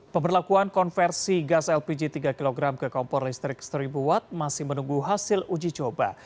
pemberlakuan konversi gas lpg tiga kg ke kompor listrik seribu watt masih menunggu hasil uji coba